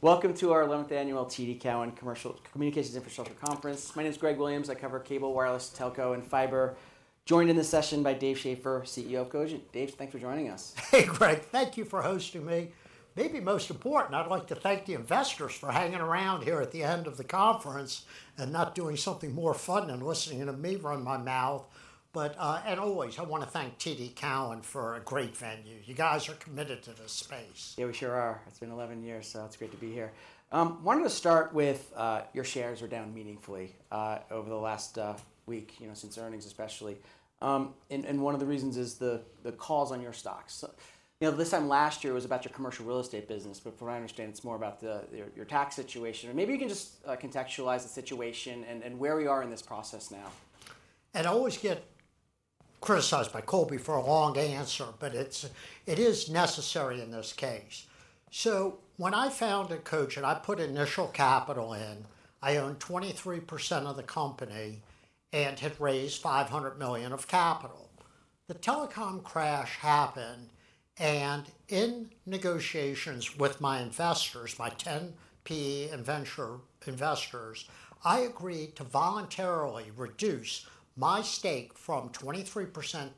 Welcome to our 11th annual TD Cowen Commercial Communications Infrastructure Conference. My name is Greg Williams. I cover cable, wireless, telco, and fiber. Joined in this session by Dave Schaeffer, CEO of Cogent. Dave, thanks for joining us. Hey, Greg. Thank you for hosting me. Maybe most important, I'd like to thank the investors for hanging around here at the end of the conference and not doing something more fun than listening to me run my mouth. I always want to thank TD Cowen for a great venue. You guys are committed to this space. Yeah, we sure are. It's been 11 years, so it's great to be here. I wanted to start with, your shares are down meaningfully over the last week, you know, since earnings especially. One of the reasons is the calls on your stocks. You know, this time last year was about your commercial real estate business, but from what I understand, it's more about your tax situation. Maybe you can just contextualize the situation and where we are in this process now. I always get criticized by Colby for a long answer, but it is necessary in this case. When I founded Cogent, I put initial capital in. I owned 23% of the company and had raised $500 million of capital. The telecom crash happened, and in negotiations with my investors, my 10 PE and venture investors, I agreed to voluntarily reduce my stake from 23%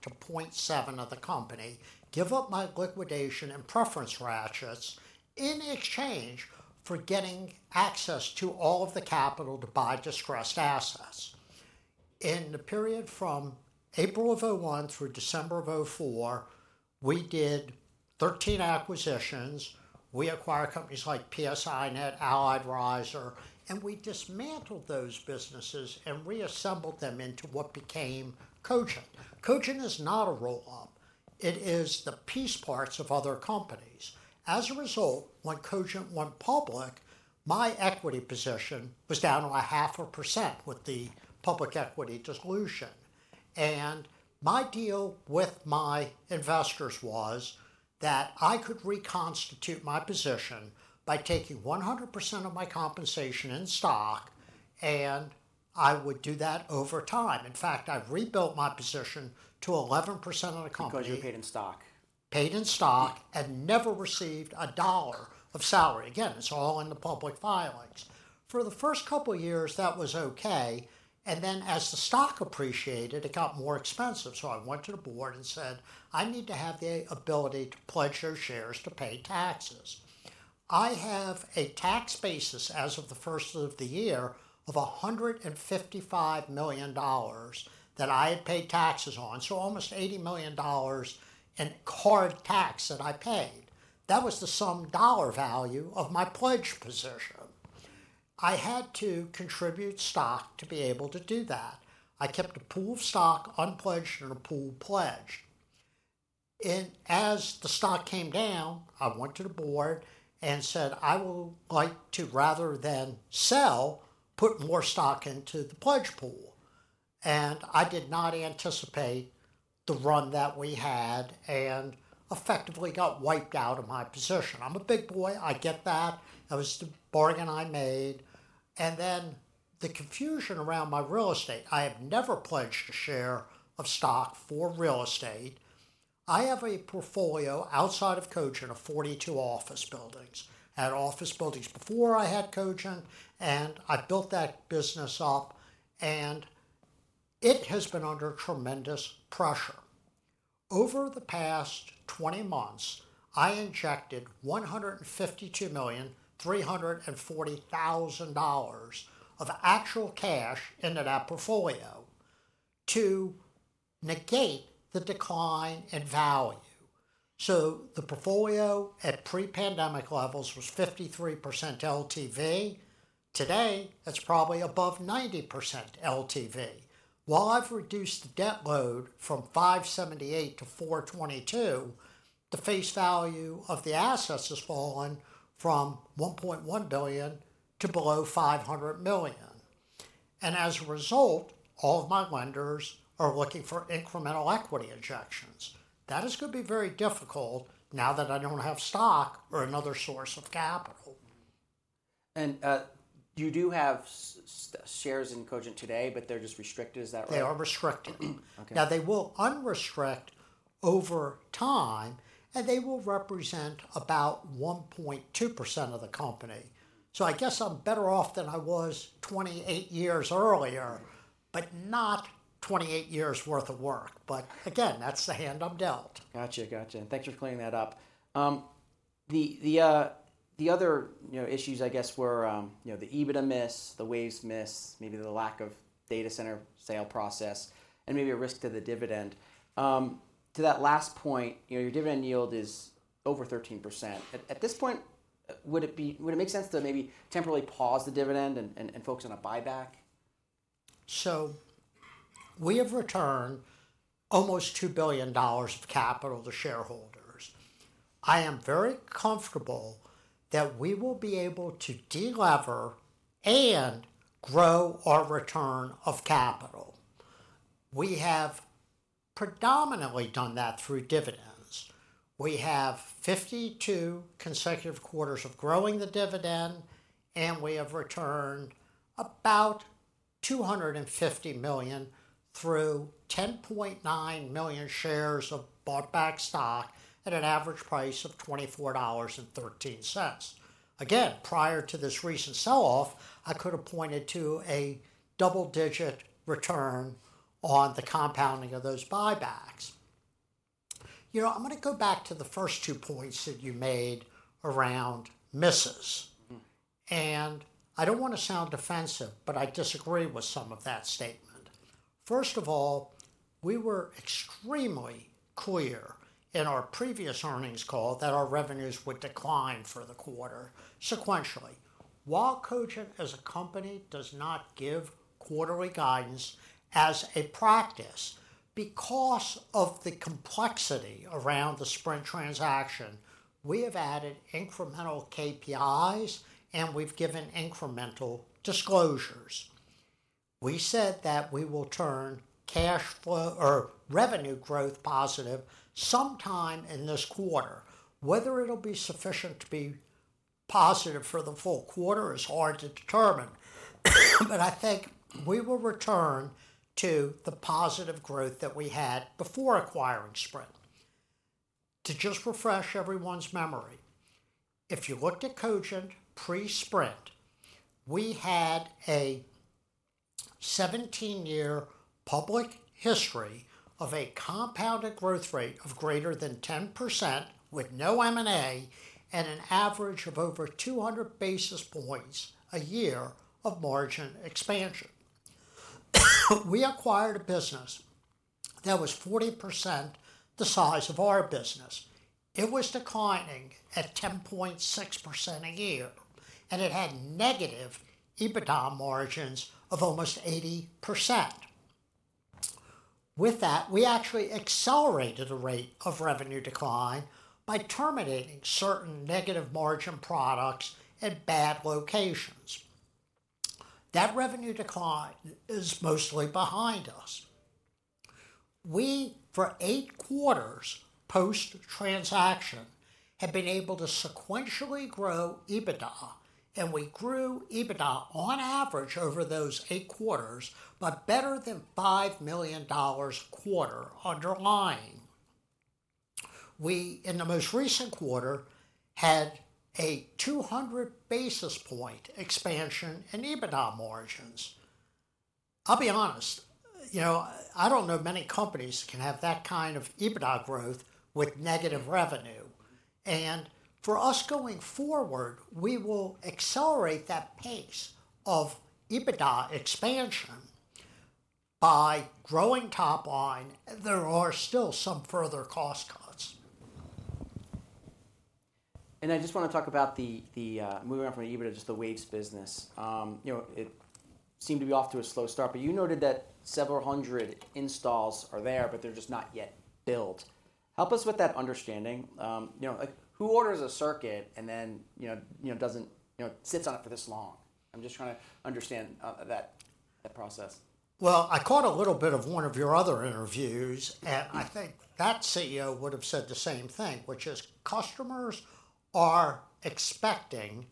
to 0.7% of the company, give up my liquidation and preference ratchets in exchange for getting access to all of the capital to buy distressed assets. In the period from April of 2001 through December of 2004, we did 13 acquisitions. We acquired companies like PSINet, Allied Riser, and we dismantled those businesses and reassembled them into what became Cogent. Cogent is not a roll-up. It is the piece parts of other companies. As a result, when Cogent went public, my equity position was down to 0.5% with the public-equity dilution. My deal with my investors was that I could reconstitute my position by taking 100% of my compensation in stock, and I would do that over time. In fact, I rebuilt my position to 11% of the company. What did you pay in stock? Paid in stock and never received a dollar of salary. Again, it's all in the public filings. For the first couple of years, that was OK. As the stock appreciated, it got more expensive. I went to the Board and said, "I need to have the ability to pledge those shares to pay taxes." I have a tax basis as of the first of the year of $155 million that I had paid taxes on, so almost $80 million in card tax that I paid. That was the sum dollar value of my pledged position. I had to contribute stock to be able to do that. I kept a pool of stock unpledged and a pool pledged. As the stock came down, I went to the Board and said, "I would like to, rather than sell, put more stock into the pledge pool." I did not anticipate the run that we had and effectively got wiped out of my position. I'm a big boy. I get that. That was the bargain I made. The confusion around my real estate. I have never pledged a share of stock for real estate. I have a portfolio outside of Cogent of 42 office buildings. I had office buildings before I had Cogent, and I built that business up, and it has been under tremendous pressure. Over the past 20 months, I injected $152,340,000 of actual cash into that portfolio to negate the decline in value. The portfolio at pre-pandemic levels was 53% LTV. Today, it's probably above 90% LTV. While I've reduced the debt load from $578 million to $422 million, the face value of the assets has fallen from $1.1 billion to below $500 million. As a result, all of my lenders are looking for incremental equity injections. That is going to be very difficult now that I don't have stock or another source of capital. You do have shares in Cogent today, but they're just restricted. Is that right? They are restricted. They will unrestrict over time, and they will represent about 1.2% of the company. I guess I'm better off than I was 28 years earlier, but not 28 years' worth of work. Again, that's the hand I'm dealt. Gotcha. Thanks for clearing that up. The other issues, I guess, were the EBITDA miss, the waves miss, maybe the lack of data center sale process, and maybe a risk to the dividend. To that last point, your dividend yield is over 13%. At this point, would it make sense to maybe temporarily pause the dividend and focus on a buyback? We have returned almost $2 billion of capital to shareholders. I am very comfortable that we will be able to delever and grow our return of capital. We have predominantly done that through dividends. We have 52 consecutive quarters of growing the dividend, and we have returned about $250 million through 10.9 million shares of bought-back stock at an average price of $24.13. Prior to this recent sell-off, I could have pointed to a double-digit return on the compounding of those buybacks. I'm going to go back to the first two points that you made around misses. I don't want to sound defensive, but I disagree with some of that statement. First of all, we were extremely clear in our previous earnings call that our revenues would decline for the quarter sequentially. While Cogent, as a company, does not give quarterly guidance as a practice, because of the complexity around the Sprint transaction, we have added incremental KPIs, and we've given incremental disclosures. We said that we will turn cash flow or revenue growth positive sometime in this quarter. Whether it'll be sufficient to be positive for the full quarter is hard to determine. I think we will return to the positive growth that we had before acquiring Sprint. To just refresh everyone's memory, if you looked at Cogent pre-Sprint, we had a 17-year public history of a compounded growth rate of greater than 10% with no M&A and an average of over 200 basis points a year of margin expansion. We acquired a business that was 40% the size of our business. It was declining at 10.6% a year, and it had negative EBITDA margins of almost 80%. With that, we actually accelerated the rate of revenue decline by terminating certain negative margin products in bad locations. That revenue decline is mostly behind us. For eight quarters post-transaction, we have been able to sequentially grow EBITDA, and we grew EBITDA on average over those eight quarters, better than $5 million a quarter underlying. In the most recent quarter, we had a 200 basis point expansion in EBITDA margins. I'll be honest, I don't know many companies that can have that kind of EBITDA growth with negative revenue. For us going forward, we will accelerate that pace of EBITDA expansion by growing top line. There are still some further cost cuts. I just want to talk about the moving around from EBITDA to just the waves business. It seemed to be off to a slow start, but you noted that several hundred installs are there, but they're just not yet built. Help us with that understanding. Who orders a circuit and then sits on it for this long? I'm just trying to understand that process. I caught a little bit of one of your other interviews, and I think that CEO would have said the same thing, which is customers are expecting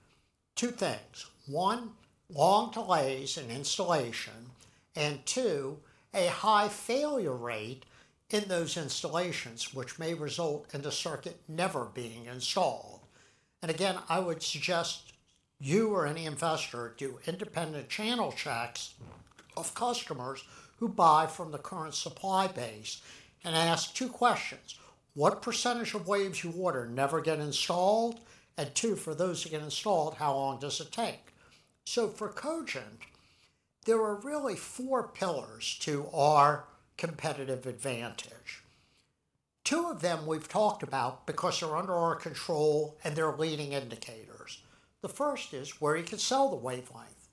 two things: one, long delays in installation, and two, a high failure rate in those installations, which may result in the circuit never being installed. I would suggest you or any investor do independent channel checks of customers who buy from the current supply base and ask two questions. What percentage of waves you order never get installed? For those that get installed, how long does it take? For Cogent, there are really four pillars to our competitive advantage. Two of them we've talked about because they're under our control and they're leading indicators. The first is where you can sell the wavelength.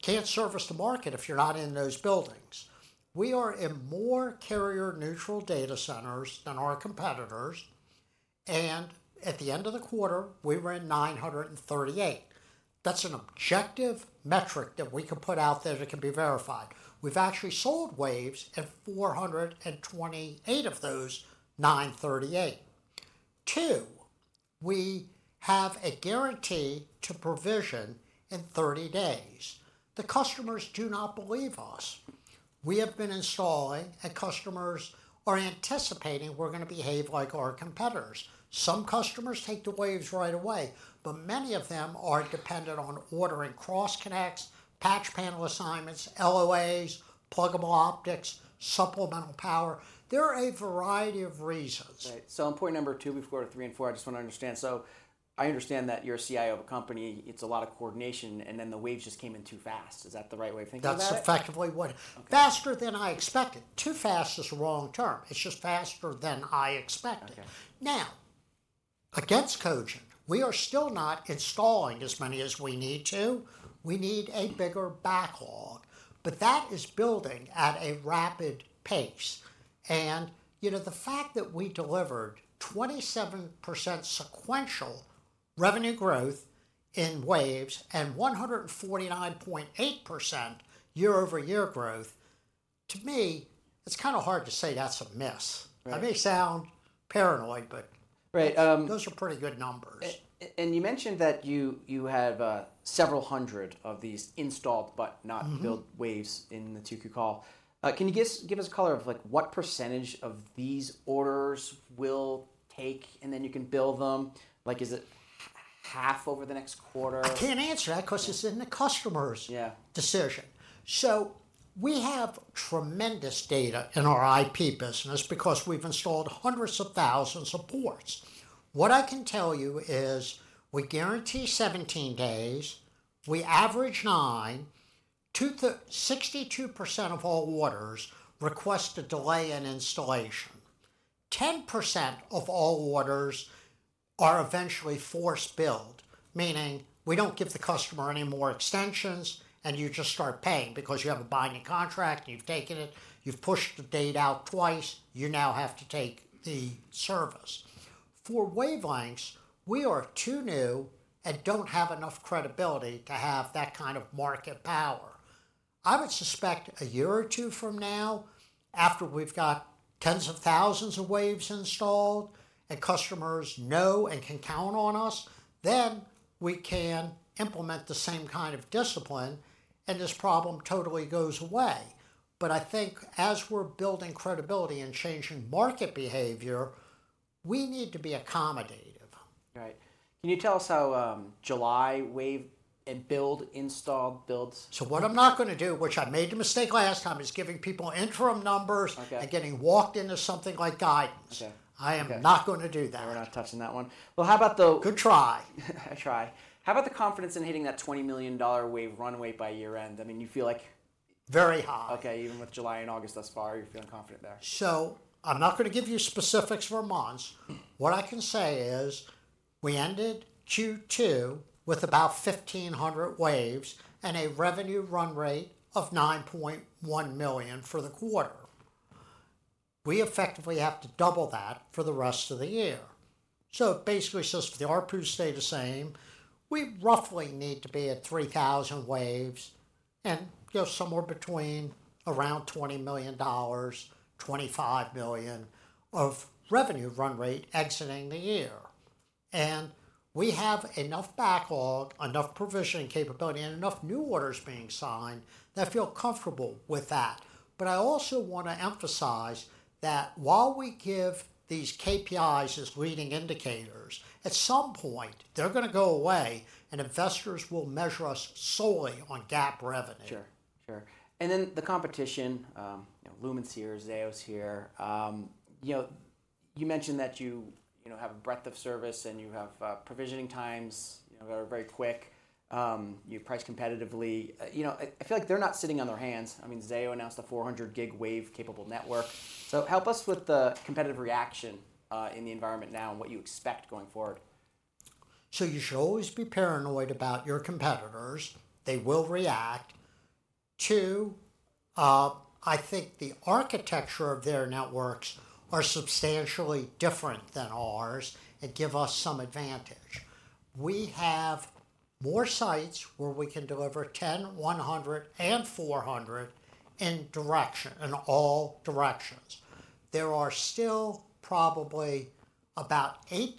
You can't service the market if you're not in those buildings. We are in more carrier-neutral data centers than our competitors. At the end of the quarter, we were in 938. That's an objective metric that we could put out there that could be verified. We've actually sold waves in 428 of those 938. We have a guarantee to provision in 30 days. The customers do not believe us. We have been installing, and customers are anticipating we're going to behave like our competitors. Some customers take the waves right away, but many of them are dependent on ordering cross-connects, patch panel assignments, LOAs, pluggable optics, supplemental power. There are a variety of reasons. Right. On point number two, before three and four, I just want to understand. I understand that you're a CIO of a company. It's a lot of coordination, and then the waves just came in too fast. Is that the right way of thinking? That's effectively what faster than I expected. Too fast is the wrong term. It's just faster than I expected. Now, against Cogent, we are still not installing as many as we need to. We need a bigger backlog. That is building at a rapid pace. You know, the fact that we delivered 27% sequential revenue growth in waves and 149.8% year-over-year growth, to me, it's kind of hard to say that's a miss. I may sound paranoid, but those are pretty good numbers. You mentioned that you have several hundred of these installed but not built waves in the 2Q call. Can you give us a color of what percentage of these orders will take, and then you can bill them? Like, is it half over the next quarter? I can't answer that because it's in the customer's decision. We have tremendous data in our IP business because we've installed hundreds of thousands of ports. What I can tell you is we guarantee 17 days. We average nine. 62% of all orders request a delay in installation. 10% of all orders are eventually forced built, meaning we don't give the customer any more extensions, and you just start paying because you have a binding contract, you've taken it, you've pushed the date out twice, you now have to take the service. For wavelengths, we are too new and don't have enough credibility to have that kind of market power. I would suspect a year or two from now, after we've got tens of thousands of waves installed and customers know and can count on us, we can implement the same kind of discipline, and this problem totally goes away. I think as we're building credibility and changing market behavior, we need to be accommodative. Right. Can you tell us how July wave and build installed built? What I'm not going to do, which I made the mistake last time, is giving people interim numbers and getting walked into something like guidance. I am not going to do that. We're not touching that one. How about the. Good try. I try. How about the confidence in hitting that $20 million wave runway by year end? I mean, you feel like. Very high. OK, even with July and August thus far, you're feeling confident there. I'm not going to give you specifics for months. What I can say is we ended Q2 with about 1,500 waves and a revenue run rate of $9.1 million for the quarter. We effectively have to double that for the rest of the year. It basically says if the RPU stays the same, we roughly need to be at 3,000 waves and go somewhere between around $20 million and $25 million of revenue run rate exiting the year. We have enough backlog, enough provisioning capability, and enough new orders being signed that I feel comfortable with that. I also want to emphasize that while we give these KPIs as leading indicators, at some point, they're going to go away, and investors will measure us solely on GAAP revenue. Sure. The competition, Lumen's here, Zayo's here. You mentioned that you have a breadth of service, and you have provisioning times that are very quick. You price competitively. I feel like they're not sitting on their hands. Zayo announced the 400 Gbps wave capable network. Help us with the competitive reaction in the environment now and what you expect going forward. You should always be paranoid about your competitors. They will react. I think the architecture of their networks is substantially different than ours and gives us some advantage. We have more sites where we can deliver 10 Gbps, 100 Gbps, and 400 Gbps in all directions. There are still probably about 8%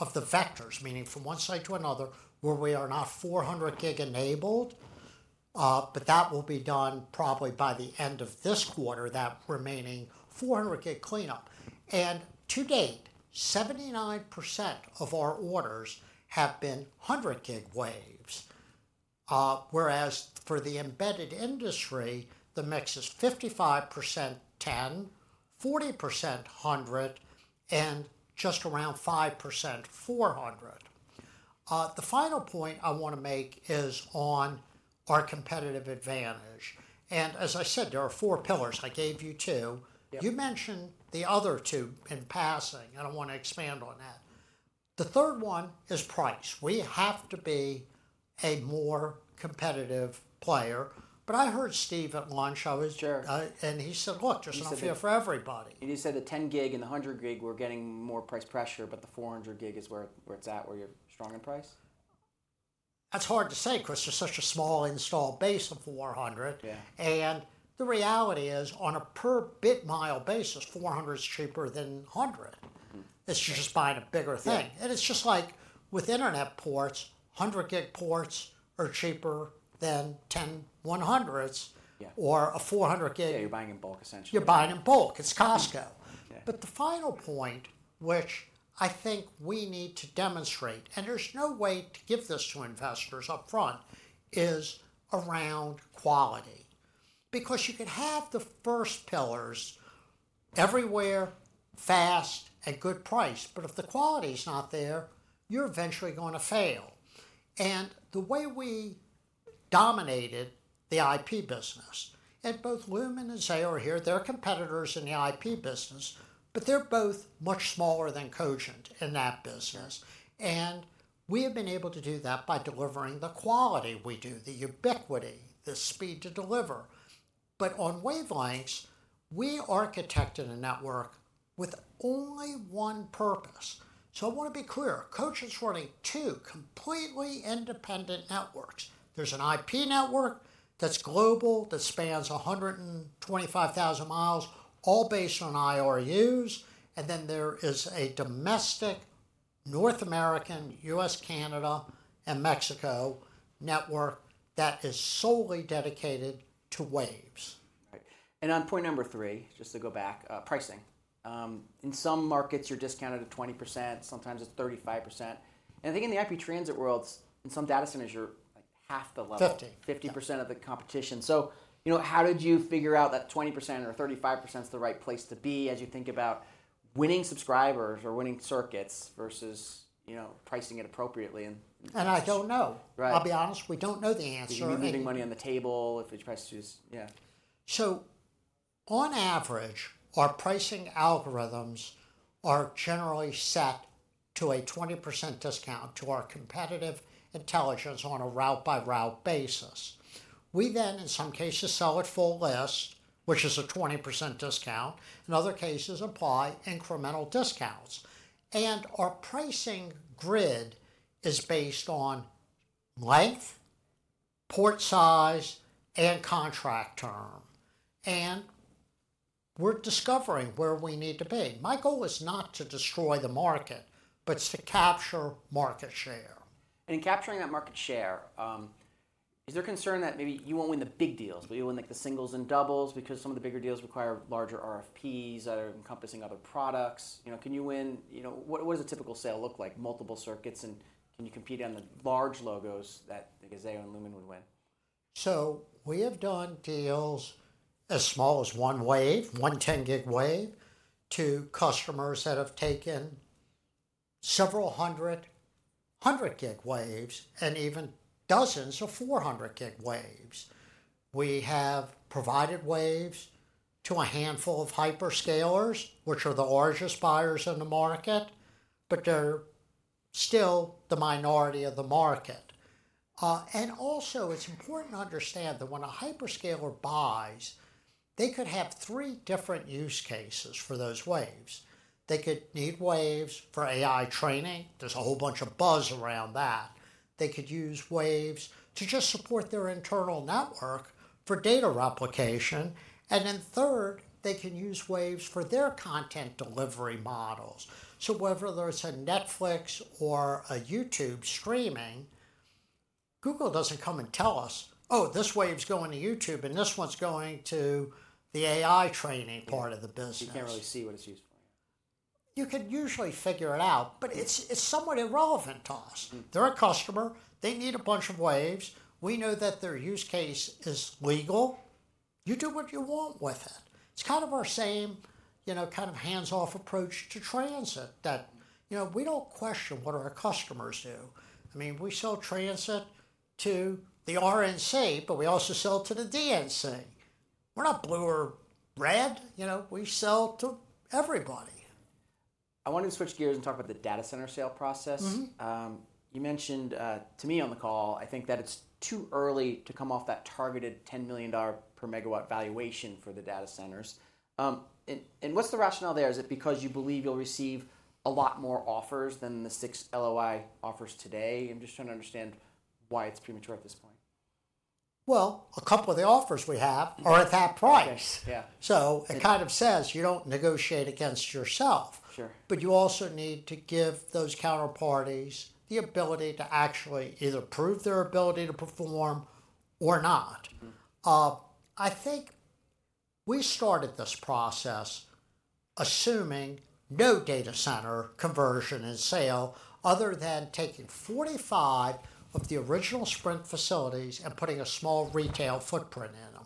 of the vectors, meaning from one site to another, where we are not 400 Gbps enabled. That will be done probably by the end of this quarter, that remaining 400 Gbps cleanup. To date, 79% of our orders have been 100 Gbps waves. Whereas for the embedded industry, the mix is 55% 10 Gbps, 40% 100 Gbps, and just around 5% 400 Gbps. The final point I want to make is on our competitive advantage. As I said, there are four pillars. I gave you two. You mentioned the other two in passing. I don't want to expand on that. The third one is price. We have to be a more competitive player. I heard Steve at lunch and he said, look, there's enough here for everybody. You said the 10 Gbps and the 100 Gbps were getting more price pressure, but the 400 Gbps is where it's at, where you're strong in price? That's hard to say because there's such a small install base of 400 Gbps. The reality is on a per-bit-mile basis, 400 Gbps is cheaper than 100 Gbps. It's just buying a bigger thing. It's just like with internet ports, 100 Gbps ports are cheaper than 10/100s or a 400 Gbps. Yeah, you're buying in bulk, essentially. You're buying in bulk. It's Costco. The final point, which I think we need to demonstrate, and there's no way to give this to investors up front, is around quality. You can have the first pillars everywhere, fast, at good price. If the quality is not there, you're eventually going to fail. The way we dominated the IP business, and both Lumen and Zayo are here, they're competitors in the IP business, but they're both much smaller than Cogent in that business. We have been able to do that by delivering the quality we do, the ubiquity, the speed to deliver. On wavelengths, we architected a network with only one purpose. I want to be clear. Cogent's running two completely independent networks. There's an IP network that's global that spans 125,000 mi, all based on IRUs. There is a domestic North American, U.S., Canada, and Mexico network that is solely dedicated to waves. On point number three, just to go back, pricing. In some markets, you're discounted at 20%. Sometimes it's 35%. I think in the IP transit world, in some data centers, you're half the level. 50%. 50% of the competition. How did you figure out that 20% or 35% is the right place to be as you think about winning subscribers or winning circuits versus pricing it appropriately? I don't know. I'll be honest, we don't know the answer. Sure, you're leaving money on the table if you're priced too soon. Our pricing algorithms are generally set to a 20% discount to our competitive intelligence on a route-by-route basis. We then, in some cases, sell at full list, which is a 20% discount. In other cases, apply incremental discounts. Our pricing grid is based on length, port size, and contract term. We're discovering where we need to be. My goal is not to destroy the market, but to capture market share. In capturing that market share, is there a concern that maybe you won't win the big deals, but you'll win like the singles and doubles because some of the bigger deals require larger RFPs encompassing other products? Can you win? What does a typical sale look like? Multiple circuits, and can you compete on the large logos that I think Zayo and Lumen would win? We have done deals as small as one wave, one 10 Gbps wave, to customers that have taken several hundred 100 Gbps waves and even dozens of 400 Gbps waves. We have provided waves to a handful of hyperscalers, which are the largest buyers in the market, but they're still the minority of the market. It's important to understand that when a hyperscaler buys, they could have three different use cases for those waves. They could need waves for AI training. There's a whole bunch of buzz around that. They could use waves to just support their internal network for data replication. Third, they can use waves for their content delivery models. Whether there's a Netflix or a YouTube streaming, Google doesn't come and tell us, oh, this wave is going to YouTube and this one's going to the AI training part of the business. You can't really see what it's used for. You can usually figure it out, but it's somewhat irrelevant to us. They're a customer. They need a bunch of waves. We know that their use case is legal. You do what you want with it. It's kind of our same, you know, kind of hands-off approach to transit that, you know, we don't question what our customers do. I mean, we sell transit to the RNC, but we also sell to the DNC. We're not blue or red. You know, we sell to everybody. I wanted to switch gears and talk about the data center sale process. You mentioned to me on the call, I think that it's too early to come off that targeted $10 million per megawatt valuation for the data centers. What's the rationale there? Is it because you believe you'll receive a lot more offers than the six LOI offers today? I'm just trying to understand why it's premature at this point. A couple of the offers we have are at that price. It kind of says you don't negotiate against yourself, but you also need to give those counterparties the ability to actually either prove their ability to perform or not. I think we started this process assuming no data center conversion and sale other than taking 45 of the original Sprint facilities and putting a small retail footprint in them.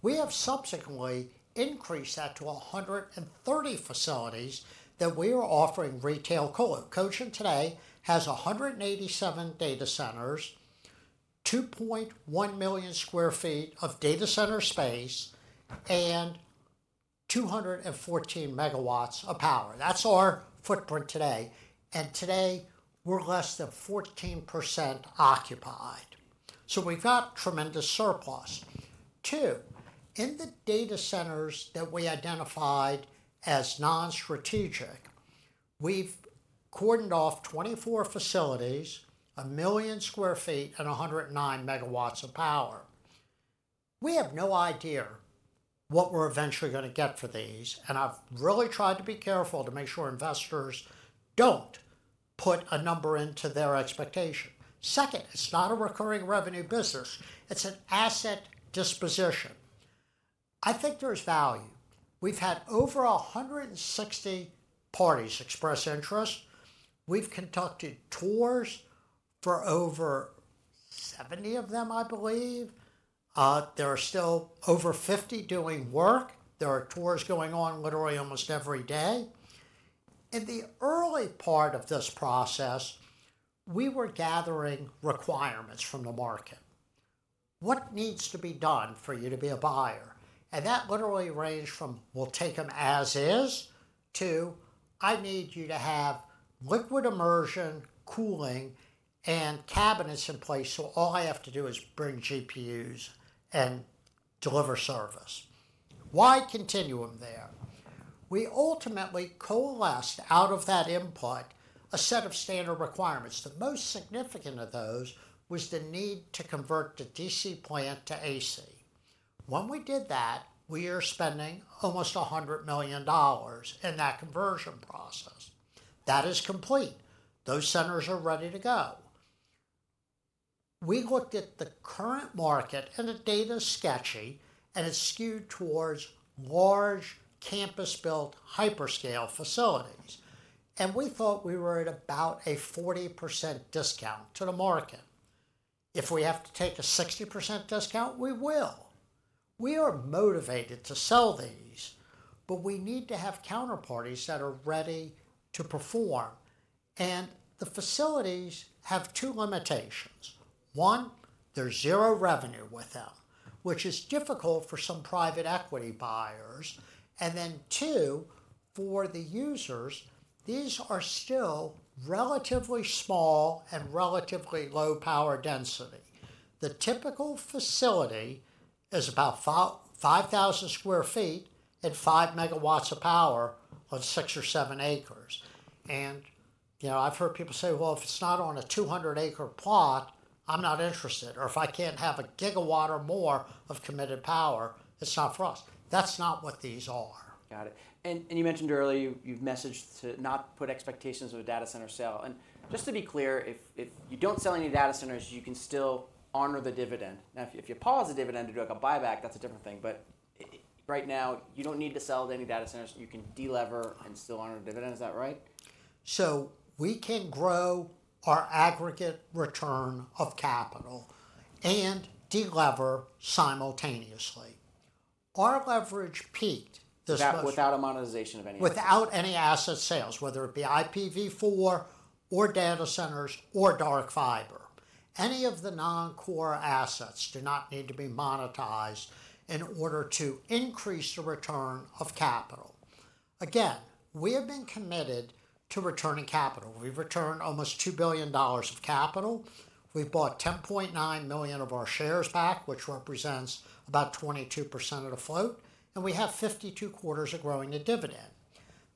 We have subsequently increased that to 130 facilities that we are offering retail colo. Cogent today has 187 data centers, 2.1 million sq ft of data center space, and 214 MW of power. That's our footprint today, and today we're less than 14% occupied. We've got tremendous surplus. In the data centers that we identified as non-strategic, we've cordoned off 24 facilities, 1 million sq ft, and 109 MW of power. We have no idea what we're eventually going to get for these. I've really tried to be careful to make sure investors don't put a number into their expectation. Second, it's not a recurring revenue business. It's an asset disposition. I think there's value. We've had over 160 parties express interest. We've conducted tours for over 70 of them, I believe. There are still over 50 doing work. There are tours going on literally almost every day. In the early part of this process, we were gathering requirements from the market. What needs to be done for you to be a buyer? That literally ranged from, we'll take them as is, to I need you to have liquid immersion, cooling, and cabinets in place so all I have to do is bring GPUs and deliver service. Why continuum there? We ultimately coalesced out of that input a set of standard requirements. The most significant of those was the need to convert the DC plant to AC. When we did that, we are spending almost $100 million in that conversion process. That is complete. Those centers are ready to go. We looked at the current market, and the data is sketchy, and it's skewed towards large campus-built hyperscale facilities. We thought we were at about a 40% discount to the market. If we have to take a 60% discount, we will. We are motivated to sell these, but we need to have counterparties that are ready to perform. The facilities have two limitations. One, there's zero revenue with them, which is difficult for some private equity buyers. For the users, these are still relatively small and relatively low power density. The typical facility is about 5,000 sq ft and 5 MW of power on six or seven acres. I've heard people say, if it's not on a 200-acre plot, I'm not interested. If I can't have 1 GW or more of committed power, it's not for us. That's not what these are. Got it. You mentioned earlier, you've messaged to not put expectations of a data center sale. Just to be clear, if you don't sell any data centers, you can still honor the dividend. If you pause the dividend and do like a buyback, that's a different thing. Right now, you don't need to sell any data centers. You can delever and still honor the dividend. Is that right? We can grow our aggregate return of capital and delever simultaneously. Our leverage peaked. Without a monetization of anything. Without any asset sales, whether it be IPv4 or data centers or dark fiber, any of the non-core assets do not need to be monetized in order to increase the return of capital. We have been committed to returning capital. We've returned almost $2 billion of capital. We've bought 10.9 million of our shares back, which represents about 22% of the float. We have 52 quarters of growing the dividend.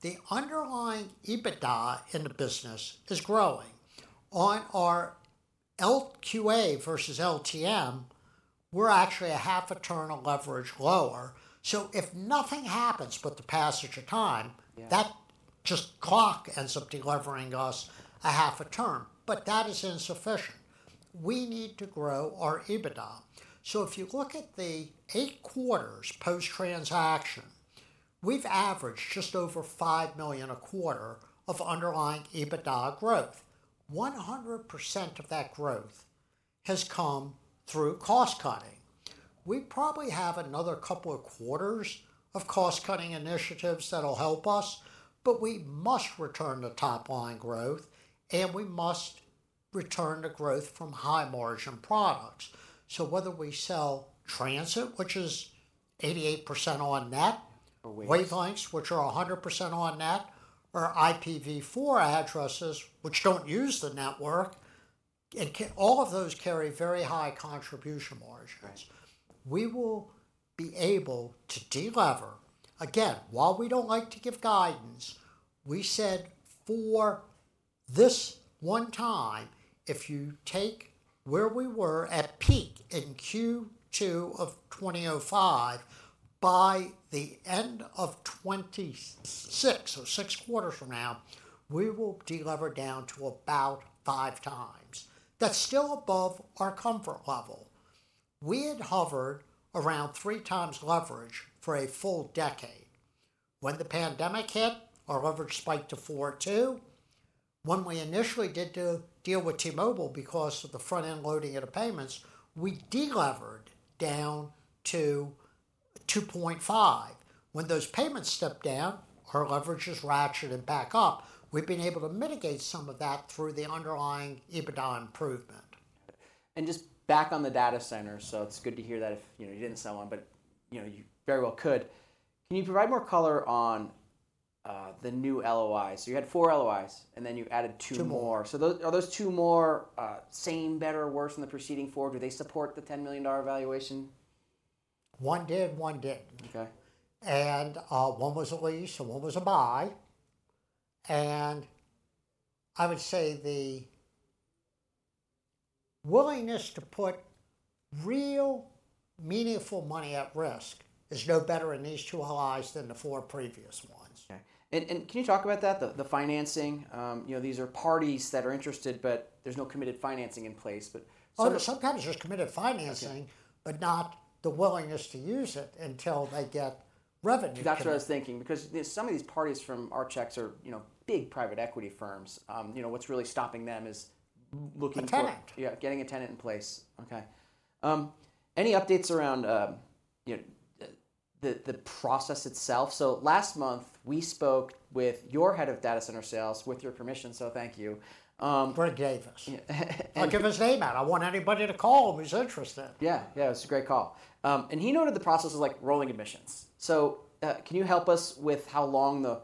The underlying EBITDA in the business is growing. On our LQA versus LTM, we're actually a half a turn of leverage lower. If nothing happens but the passage of time, that just clock ends up delivering us a half a turn. That is insufficient. We need to grow our EBITDA. If you look at the eight quarters post-transaction, we've averaged just over $5 million a quarter of underlying EBITDA growth. 100% of that growth has come through cost cutting. We probably have another couple of quarters of cost cutting initiatives that will help us, but we must return the top line growth, and we must return the growth from high margin products. Whether we sell transit, which is 88% on net, wavelengths, which are 100% on net, or IPv4 addresses, which don't use the network, and all of those carry very high contribution margins, we will be able to delever. While we don't like to give guidance, we said for this one time, if you take where we were at peak in Q2 of 2005, by the end of 2026 or six quarters from now, we will delever down to about 5x. That's still above our comfort level. We had hovered around 3x leverage for a full decade. When the pandemic hit, our leverage spiked to 4.2x. When we initially did deal with T-Mobile because of the front-end loading into payments, we delevered down to 2.5x. When those payments stepped down, our leverage has ratcheted back up. We've been able to mitigate some of that through the underlying EBITDA improvement. Just back on the data center, it's good to hear that if you didn't sell one, but you very well could. Can you provide more color on the new LOIs? You had four LOIs, and then you added two more. Two more. Are those two more same, better, or worse than the preceding four? Do they support the $10 million valuation? One did, one didn't. One was a lease, and one was a buy. I would say the willingness to put real, meaningful money at risk is no better in these two LOIs than the four previous ones. Can you talk about that, the financing? These are parties that are interested, but there's no committed financing in place. Sometimes there's committed financing, but not the willingness to use it until they get revenue. That's what I was thinking. Because some of these parties from Artex are big private equity firms, what's really stopping them is looking for. A tenant. Yeah, getting a tenant in place. OK. Any updates around the process itself? Last month, we spoke with your Head of Data Center Sales, with your permission, so thank you. Greg gave us his name out. I want anybody to call him who's interested. Yeah, it was a great call. He noted the process is like rolling admissions. Can you help us with how long the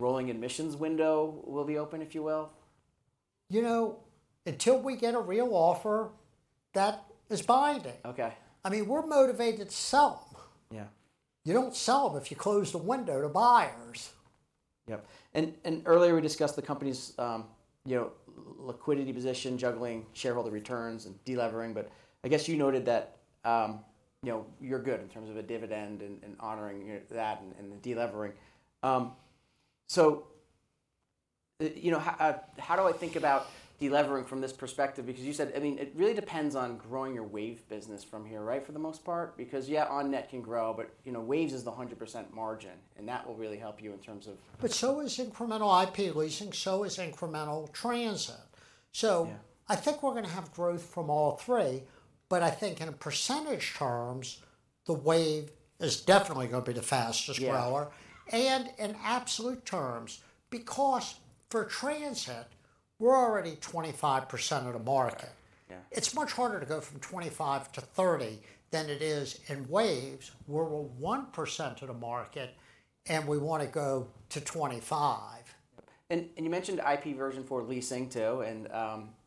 rolling admissions window will be open, if you will? You know, until we get a real offer that is binding, we're motivated to sell them. You don't sell them if you close the window to buyers. Yes. Earlier, we discussed the company's liquidity position, juggling shareholder returns and deleveraging. I guess you noted that you're good in terms of a dividend and honoring that and the deleveraging. How do I think about deleveraging from this perspective? You said it really depends on growing your waves business from here, right, for the most part? Net can grow, but waves is the 100% margin. That will really help you in terms of. Incremental IP leasing is also important, as is incremental transit. I think we're going to have growth from all three. I think in percentage terms, the wave is definitely going to be the fastest grower. In absolute terms, because for transit we're already at 25% of the market, it's much harder to go from 25% to 30% than it is in waves, where we're at 1% of the market and we want to go to 25%. You mentioned IPv4 address leasing too.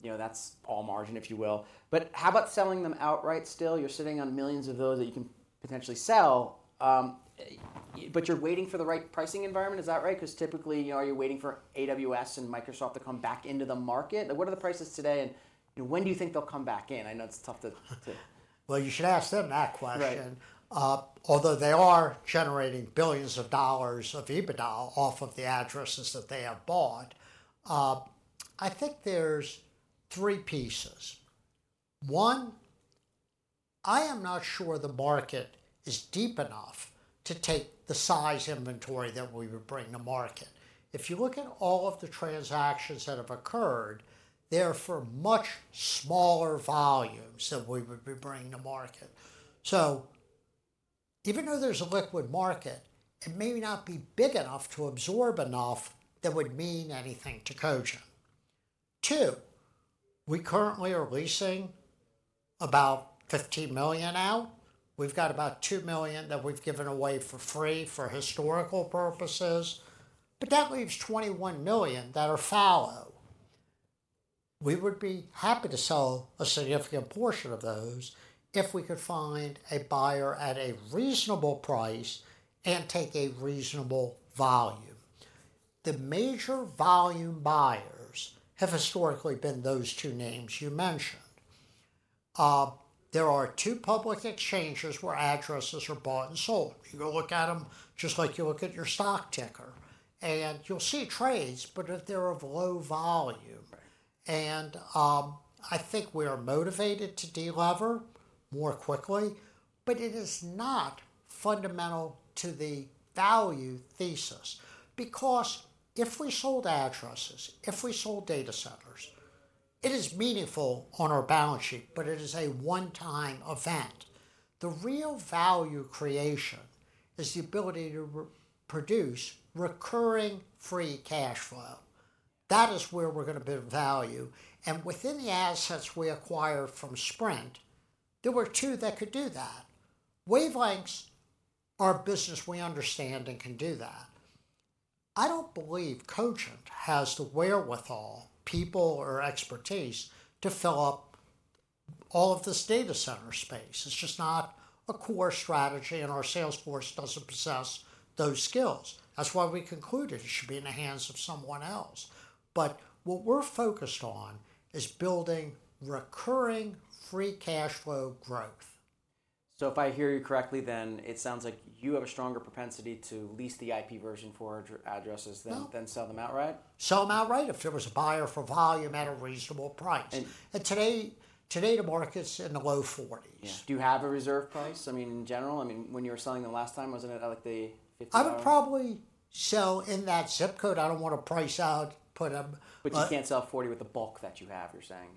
That's all margin, if you will. How about selling them outright still? You're sitting on millions of those that you can potentially sell. You're waiting for the right pricing environment, is that right? Typically, are you waiting for AWS and Microsoft to come back into the market? What are the prices today, and when do you think they'll come back in? I know it's tough to. You should ask them that question. Although they are generating billions of dollars of EBITDA off of the addresses that they have bought, I think there's three pieces. One, I am not sure the market is deep enough to take the size inventory that we would bring to market. If you look at all of the transactions that have occurred, they're for much smaller volumes than we would be bringing to market. Even though there's a liquid market, it may not be big enough to absorb enough that would mean anything to Cogent. Two, we currently are leasing about 15 million out. We've got about 2 million that we've given away for free for historical purposes. That leaves 21 million that are fallow. We would be happy to sell a significant portion of those if we could find a buyer at a reasonable price and take a reasonable volume. The major volume buyers have historically been those two names you mentioned. There are two public exchanges where addresses are bought and sold. You go look at them just like you look at your stock ticker. You'll see trades, but they're of low volume. I think we are motivated to delever more quickly. It is not fundamental to the value thesis. If we sold addresses, if we sold data centers, it is meaningful on our balance sheet, but it is a one-time event. The real value creation is the ability to produce recurring free cash flow. That is where we're going to build value. Within the assets we acquired from Sprint, there were two that could do that. Wavelengths are a business we understand and can do that. I don't believe Cogent has the wherewithal, people, or expertise to fill up all of this data center space. It's just not a core strategy, and our sales force doesn't possess those skills. That's why we concluded it should be in the hands of someone else. What we're focused on is building recurring free cash flow growth. If I hear you correctly, it sounds like you have a stronger propensity to lease the IPv4 addresses than sell them outright? Sell them outright if there was a buyer for volume at a reasonable price. Today the market's in the low $40. Do you have a reserve price? I mean, in general, when you were selling the last time, wasn't it like the $50? I would probably sell in that zip code. I don't want to price out. You can't sell $40 with the bulk that you have, you're saying.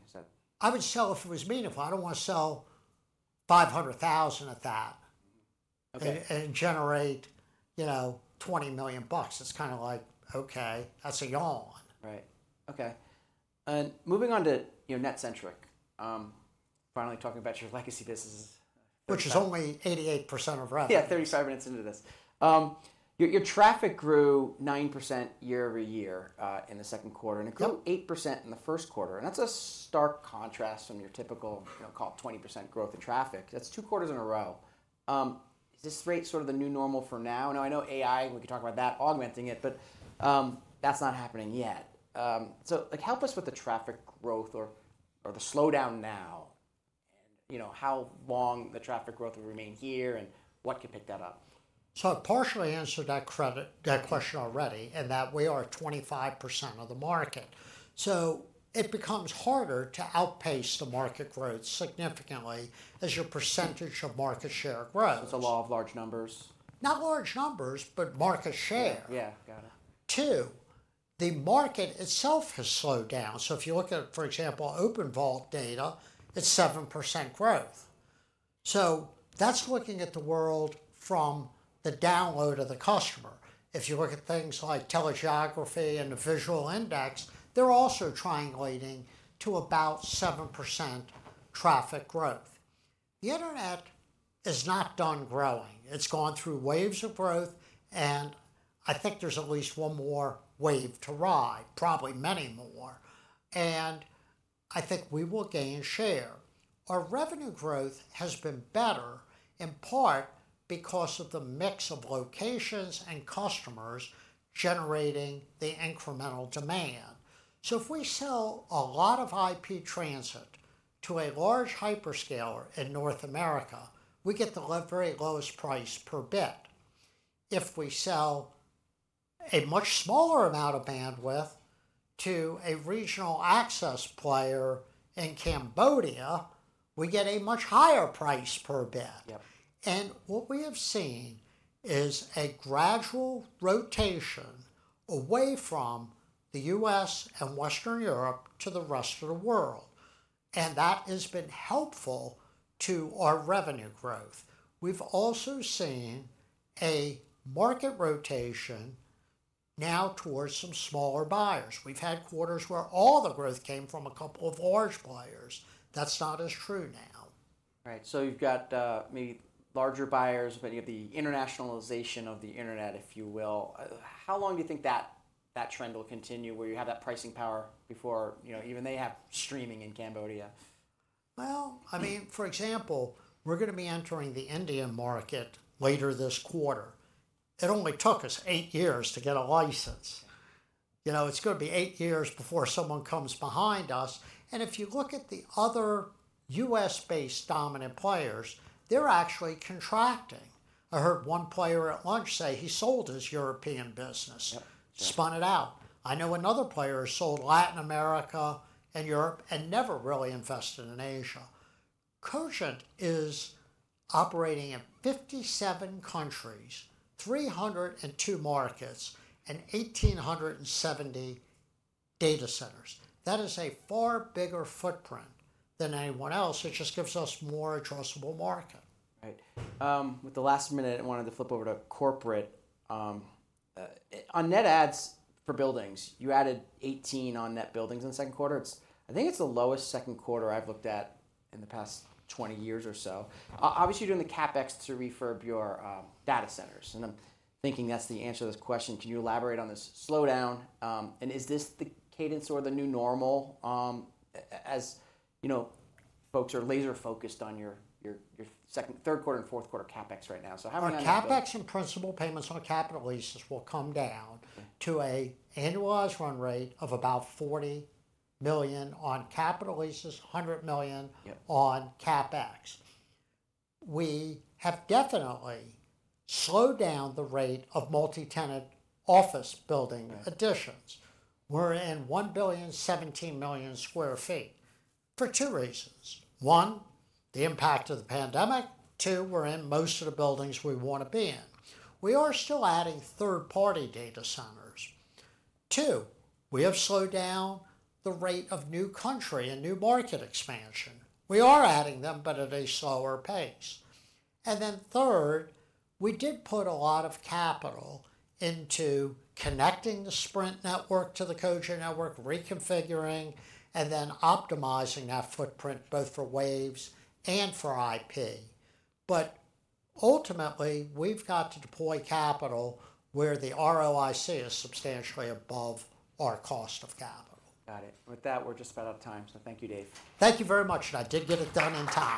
I would sell if it was meaningful. I don't want to sell $500,000 at that. Okay, and generate $20 million. That's kind of like, OK, that's a yawn. Right. OK. Moving on to Netcentric, finally talking about your legacy businesses. Which is only 88% of revenue. Yeah, 35 minutes into this. Your traffic grew 9% year over year in the second quarter, and it grew 8% in the first quarter. That's a stark contrast from your typical, you know, call it 20% growth in traffic. That's two quarters in a row. Is this rate sort of the new normal for now? I know AI, we could talk about that, augmenting it, but that's not happening yet. Help us with the traffic growth or the slowdown now, and how long the traffic growth will remain here, and what could pick that up? I partially answered that question already, in that we are 25% of the market. It becomes harder to outpace the market growth significantly as your percentage of market share grows. The law of large numbers. Not large numbers, but market share. Yeah, got it. Two, the market itself has slowed down. If you look at, for example, OpenVault data, it's 7% growth. That's looking at the world from the download of the customer. If you look at things like Telegeography and the Visual Index, they're also triangulating to about 7% traffic growth. The Internet is not done growing. It's gone through waves of growth, and I think there's at least one more wave to ride, probably many more. I think we will gain share. Our revenue growth has been better in part because of the mix of locations and customers generating the incremental demand. If we sell a lot of IP transit to a large hyperscaler in North America, we get the very lowest price per bit. If we sell a much smaller amount of bandwidth to a regional access player in Cambodia, we get a much higher price per bit. What we have seen is a gradual rotation away from the U.S. and Western Europe to the rest of the world, and that has been helpful to our revenue growth. We've also seen a market rotation now towards some smaller buyers. We've had quarters where all the growth came from a couple of large buyers. That's not as true now. Right. You've got maybe larger buyers, but you have the internationalization of the internet, if you will. How long do you think that trend will continue where you had that pricing power before, even they have streaming in Cambodia? For example, we're going to be entering the Indian market later this quarter. It only took us eight years to get a license. You know, it's going to be eight years before someone comes behind us. If you look at the other U.S.-based dominant players, they're actually contracting. I heard one player at lunch say he sold his European business. He spun it out. I know another player has sold Latin America and Europe and never really invested in Asia. Cogent is operating in 57 countries, 302 markets, and 1,870 data centers. That is a far bigger footprint than anyone else. It just gives us more addressable market. Right. With the last minute, I wanted to flip over to corporate. On net adds for buildings, you added 18 on-net buildings in the second quarter. I think it's the lowest second quarter I've looked at in the past 20 years or so. Obviously, you're doing the CapEx to refurb your data centers. I'm thinking that's the answer to this question. Can you elaborate on this slowdown? Is this the cadence or the new normal as folks are laser-focused on your second, third quarter, and fourth quarter CapEx right now? The CapEx and principal payments on capital leases will come down to an annualized run rate of about $40 million on capital leases, $100 million on CapEx. We have definitely slowed down the rate of multi-tenant office building additions. We're in 1 billion, 170 million sq ft for two reasons. One, the impact of the pandemic. Two, we're in most of the buildings we want to be in. We are still adding third-party data centers. We have slowed down the rate of new country and new market expansion. We are adding them, but at a slower pace. Third, we did put a lot of capital into connecting the Sprint network to the Cogent network, reconfiguring, and then optimizing that footprint both for waves and for IP. Ultimately, we've got to deploy capital where the ROIC is substantially above our cost of capital. Got it. With that, we're just about out of time. Thank you, Dave. Thank you very much. I did get it done in time.